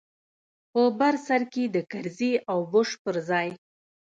په بر سر کښې د کرزي او بوش پر ځاى.